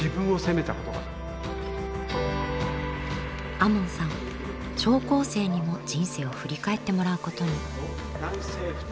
亞門さん聴講生にも人生を振り返ってもらうことに。